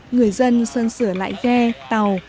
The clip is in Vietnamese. người dân sơn sửa lại ghe tàu